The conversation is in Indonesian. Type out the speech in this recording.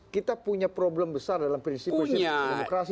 kita punya problem besar dalam prinsip prinsip demokrasi